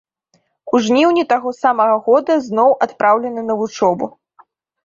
У жніўні таго самага года зноў адпраўлены на вучобу.